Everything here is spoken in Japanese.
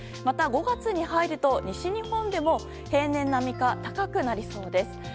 また５月に入ると西日本でも平年並みか高くなりそうです。